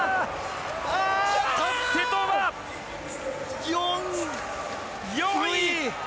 瀬戸は４位！